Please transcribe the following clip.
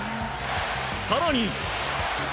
更に。